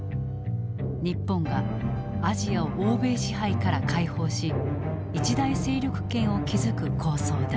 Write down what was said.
日本がアジアを欧米支配から解放し一大勢力圏を築く構想だ。